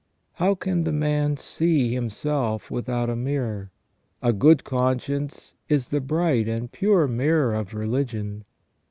How can the man see himself without a mirror? A good conscience is the bright and pure mirror of religion.